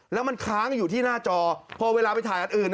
แล้วมันค้างอยู่ที่หน้าจอพอเวลาไปถ่ายอันอื่น